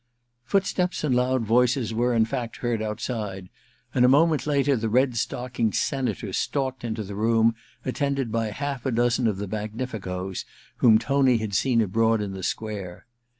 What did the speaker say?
Footsteps and loud voices were in fact heard outside, and a moment later the red stockinged Senator stalked into the room attended by half a dozen of the magnificoes whom Tony had seen abroad in the square.